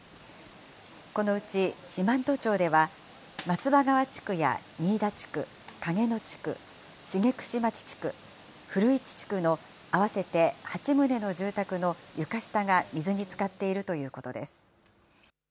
このうち、四万十町では松葉川地区や仁井田地区、影野地区、茂串町地区、ふるいち地区の合わせて８棟の住宅の床下が水につかっているということです。